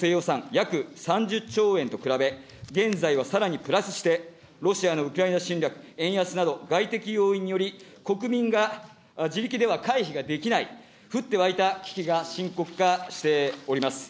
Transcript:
約３０兆円と比べ、現在はさらにプラスして、ロシアのウクライナ侵略、円安など、外的要因により、国民が自力では回避ができない、降って湧いた危機が深刻化しております。